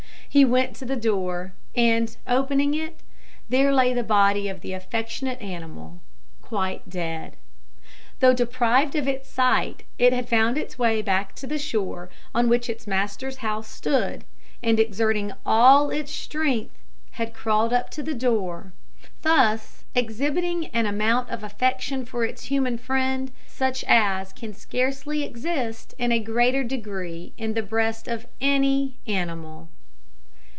He went to the door, and, opening it, there lay the body of the affectionate animal quite dead. Though deprived of its sight, it had found its way back to the shore on which its master's house stood, and exerting all its strength, had crawled up to the door; thus exhibiting an amount of affection for its human friend such as can scarcely exist in a greater degree in the breast of any animal.